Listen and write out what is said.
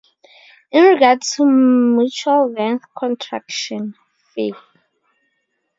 In regards to mutual length contraction, Fig.